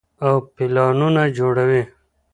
او پلانونه جوړوي -